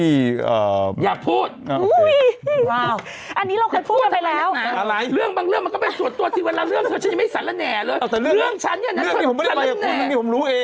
อิบาพอไปภาคกักกี่คนนี่